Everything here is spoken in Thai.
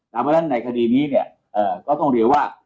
นับแล้วในคดีนี้ก็ต้องเรียกว่า